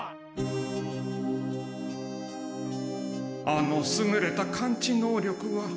あのすぐれた感知能力は。